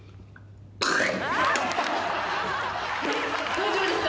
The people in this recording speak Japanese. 大丈夫ですか？